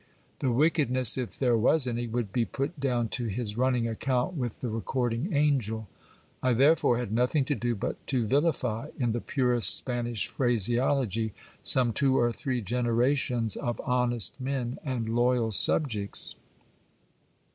The wickedness, if there was any, would be put down to his running account with the recording angel ; I therefore had nothing to do but to vilify, in the purest Spanish phraseology, some two or three generations of honest men and loyal subjects.